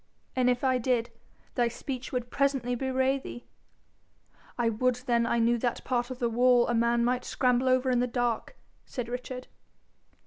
'And if I did, thy speech would presently bewray thee.' 'I would then I knew that part of the wall a man might scramble over in the dark,' said Richard.